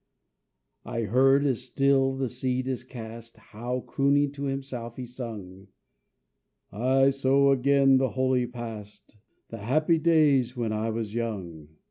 I heard, as still the seed he cast, How, crooning to himself, he sung, "I sow again the holy Past, The happy days when I was young.